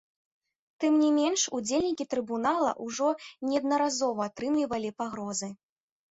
Тым не менш, удзельнікі трыбунала ўжо неаднаразова атрымлівалі пагрозы.